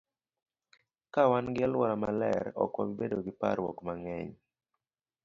Ka wan gi alwora maler, ok wabi bedo gi parruok mang'eny.